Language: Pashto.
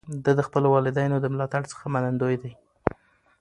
ده د خپلو والدینو د ملاتړ څخه منندوی دی.